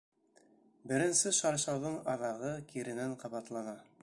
Беренсе шаршауҙың аҙағы киренән ҡабатлана.